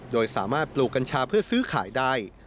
โดยสามารถปลูกกัญชาเพื่อซื้อขายได้